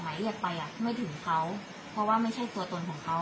หมายเรียกไปอ่ะไม่ถึงเขาเพราะว่าไม่ใช่ตัวตนของเขา